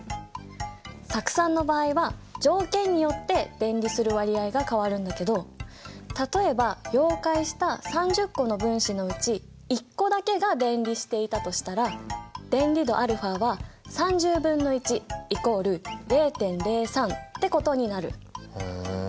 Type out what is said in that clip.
酢酸の場合は条件によって電離する割合が変わるんだけど例えば溶解した３０個の分子のうち１個だけが電離していたとしたら電離度αは３０分の１イコール０．０３ってことになる。